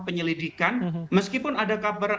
penyelidikan meskipun ada kabar